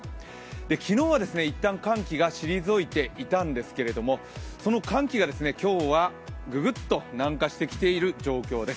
昨日はいったん寒気が退いていたんですけれども、その寒気が今日はぐぐっと南下してきている状況です。